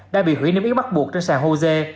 đã bị hủy niêm yếu bắt buộc trên sàn hose